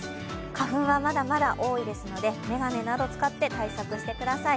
花粉はまだまだ多いですので、眼鏡など使って対策してください。